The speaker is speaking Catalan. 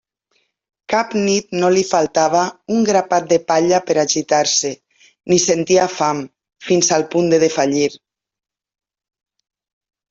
Cap nit no li faltava un grapat de palla per a gitar-se ni sentia fam fins al punt de defallir.